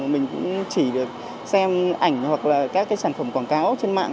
mình cũng chỉ được xem ảnh hoặc là các cái sản phẩm quảng cáo trên mạng